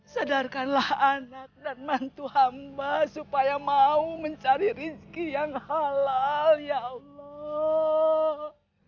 sadarkanlah anak dan mantu hamba supaya mau mencari rizki yang halal ya allah